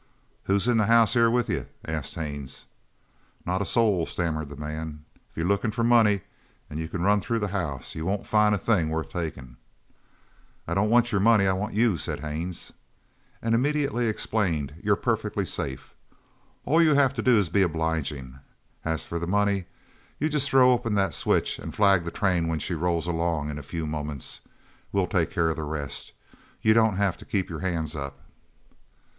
"Who's in the house here with you?" asked Haines. "Not a soul!" stammered the man. "If you're lookin' for money you c'n run through the house. You won't find a thing worth takin'." "I don't want money. I want you," said Haines; and immediately explained, "you're perfectly safe. All you have to do is to be obliging. As for the money, you just throw open that switch and flag the train when she rolls along in a few moments. We'll take care of the rest. You don't have to keep your hands up."